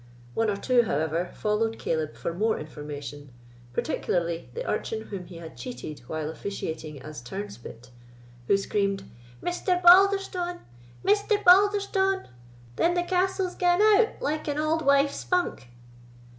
One or two, however, followed Caleb for more information, particularly the urchin whom he had cheated while officiating as turnspit, who screamed, "Mr. Balderstone!—Mr. Balderstone! then the castle's gane out like an auld wife's spunk?"